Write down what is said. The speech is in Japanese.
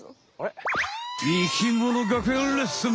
生きもの学園レッスン！